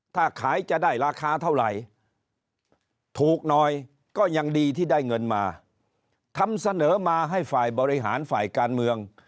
ถ้าขายจะได้ราคาเท่าไหร่ถูกหน่อยก็ยังดีที่ได้เงินมาทำเสนอมาให้ฝ่ายบริหารฝ่ายการเมือง